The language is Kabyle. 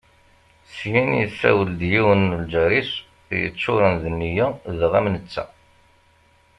Syin, yessawel-d i yiwen n lǧar-is yeččuren d nneyya daɣ am netta.